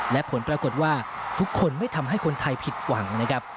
และผลปรากฏว่าทุกคนไม่ทำให้คนไทยผิดหวังนะครับ